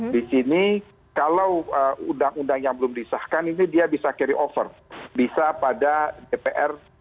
di sini kalau undang undang yang belum disahkan ini dia bisa carry over bisa pada dpr